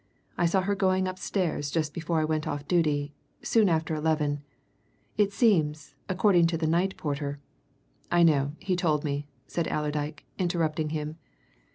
I saw her going upstairs just before I went off duty soon after eleven. It seems, according to the night porter " "I know he told me," said Allerdyke, interrupting him.